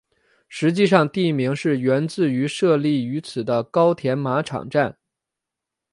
实际上地名是源自于设立于此的高田马场站。